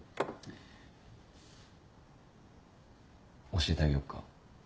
教えてあげようか？